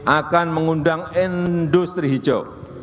akan mengundang industri hijau